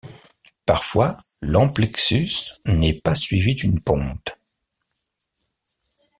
Parfois, l'amplexus n'est pas suivi d'une ponte.